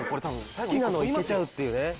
好きなのいけちゃうっていうね。